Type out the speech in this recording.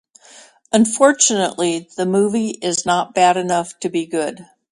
Unfortunately, the movie is not bad enough to be good.